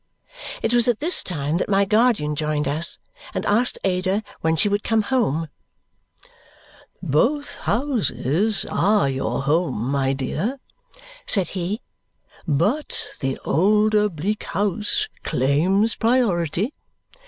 It was at this time that my guardian joined us and asked Ada when she would come home. "Both houses are your home, my dear," said he, "but the older Bleak House claims priority.